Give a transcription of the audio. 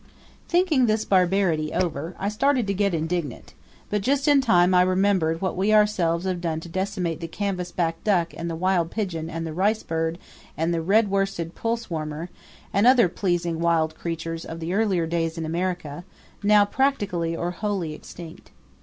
Thinking this barbarity over, I started to get indignant; but just in time I remembered what we ourselves have done to decimate the canvas back duck and the wild pigeon and the ricebird and the red worsted pulse warmer, and other pleasing wild creatures of the earlier days in America, now practically or wholly extinct.